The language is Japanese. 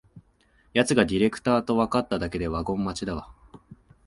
やつがディレクターとわかっただけでワゴン待ちだわ